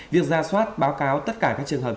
việc ra soát báo cáo tất cả các trường hợp